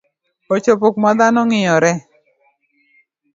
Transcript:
Ochopo kuma dhano ng'iyore